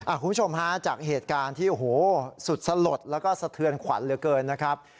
คุณผู้ชมฮะจากเหตุการณ์ที่โอ้โหสุดสลดแล้วก็สะเทือนขวัญเหลือเกินนะครับ